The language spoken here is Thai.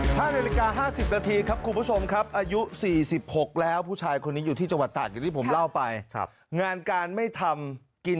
ให้ในลูกค้า๕๐นาทีครับผู้ชมครับอายุ๔๖แล้วผู้ชายคนนี้อยู่ที่จังหวังต่างที่ผมเล่าไปครับงานการไม่ทำกิน